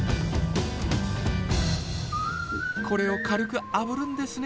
これを軽くあぶるんですね。